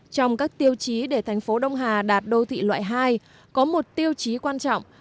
trong các tiêu chí để thành phố đông hà đạt đô thị loại hai có một tiêu chí quan trọng